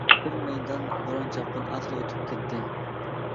بىر مەيدان بوران-چاپقۇن ئاخىرى ئۆتۈپ كەتتى.